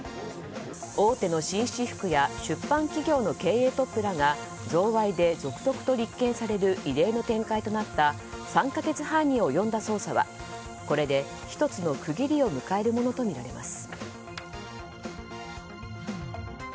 大手の紳士服や出版企業の経営トップらが贈賄で続々と立件される異例の展開となった３か月半に及んだ捜査はこれで１つの区切りを迎えるものとみられます。